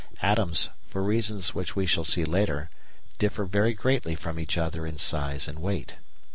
Atoms, for reasons which we shall see later, differ very greatly from each other in size and weight.